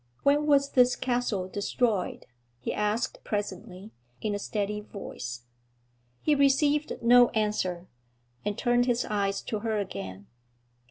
'When was this castle destroyed?' he asked presently, in a steady voice. He received no answer, and turned his eyes to her again.